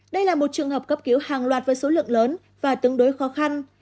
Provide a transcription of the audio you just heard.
đây là một trường hợp cấp cứu hàng loạt với số lượng lớn và tương đối khó khăn